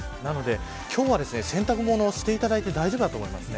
今日は洗濯物をしていただいて大丈夫だと思います。